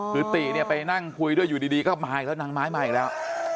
คือติเนี่ยไปนั่งคุยด้วยอยู่ดีก็มาอีกแล้วนางไม้มาอีกแล้ว